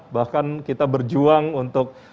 bahkan kita berjuang untuk